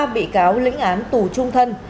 ba bị cáo lĩnh án tù trung thân